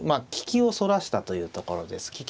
利きをそらしたというところです。